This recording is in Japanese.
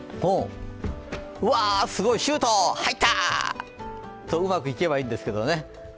うわ、すごいシュート、入った！とうまくいけばいいんですけどね。